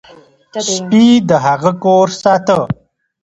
سپي د هغه کور ساته.